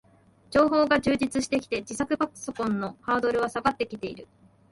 情報が充実してきて、自作パソコンのハードルは下がってきている